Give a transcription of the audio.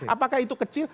apakah itu kecil